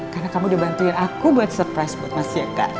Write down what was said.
karena kamu udah bantuin aku buat surprise buat mas jaka